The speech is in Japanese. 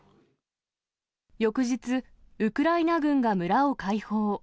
翌日、ウクライナ軍が村を解放。